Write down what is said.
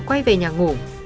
và quay về nhà ngủ